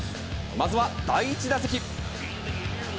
まずは第１打席。